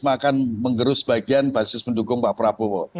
maka akan mengerus bagian basis mendukung pak prabowo